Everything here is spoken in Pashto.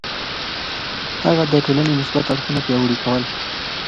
هغه د ټولنې مثبت اړخونه پياوړي کول.